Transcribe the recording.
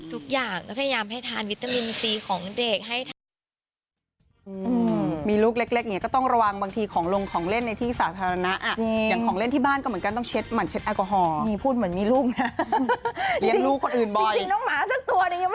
ทุกอย่างก็พยายามให้ทานวิตามินซีของเด็กให้ทัน